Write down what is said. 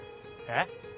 えっ？